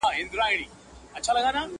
حجره د پښتنو ده څوک به ځي څوک به راځي؛